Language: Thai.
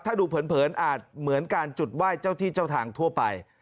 ถ้าดูเผินอาจเหมือนการจุดไหว้เจ้าที่เจ้าทางทั่วไป